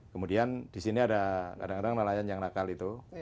kemudian di sini ada kadang kadang nelayan yang nakal itu